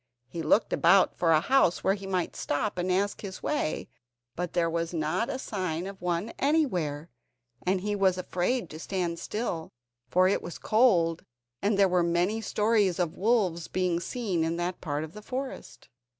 He looked about for a house where he might stop and ask his way, but there was not a sign of one anywhere, and he was afraid to stand still, for it was cold, and there were many stories of wolves being seen in that part of the forest.